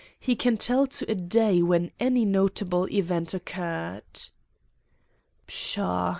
He can tell to a day when any notable event occurred.' "'Pshaw!